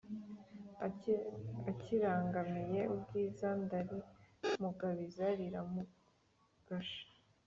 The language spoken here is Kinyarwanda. akirangamiye ubwiza ndarimugabiza riramugasha